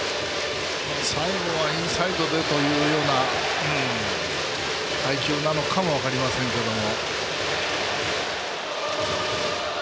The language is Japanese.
最後はインサイドでというような配球なのかも分かりませんけども。